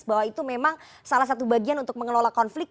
bahwa itu memang salah satu bagian untuk mengelola konflik